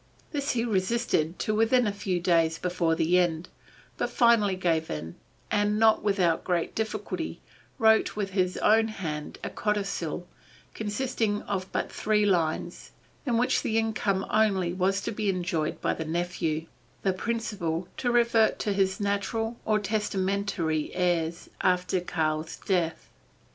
This he resisted to within a few days before the end, but finally gave in, and, not without great difficulty, wrote with his own hand a codicil, consisting of but three lines, in which the income only was to be enjoyed by the nephew, the principal to revert to his natural or testamentary heirs, after Karl's death.